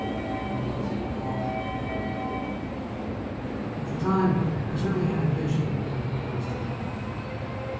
It was an awful blow. At the time, Shirley had a vision of what was to follow.